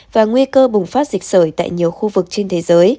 và nguy cơ bùng phát dịch sởi tại nhiều khu vực trên thế giới